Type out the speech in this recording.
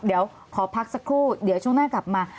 เดี๋ยวขอพักสักครู่เดี๋ยวช่วงหน้ากลับมา